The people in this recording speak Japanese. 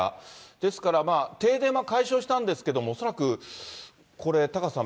ですからまあ、停電は解消したんですけれども、恐らくこれ、タカさん。